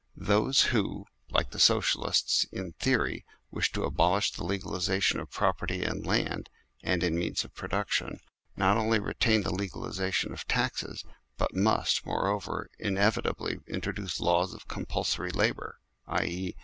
Those who like the Socialists in theory, wish to abolish the legalisation of property in land and in means of LAWS THE CAUSE OF SLAVERY 85 production, not only retain the legalisation of taxes, but must, moreover, inevitably introduce laws of compulsory labour i.e.